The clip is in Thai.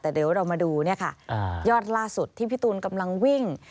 แต่เดี๋ยวเรามาดูเนี่ยค่ะยอดล่าสุดที่พี่ตูนกำลังวิ่ง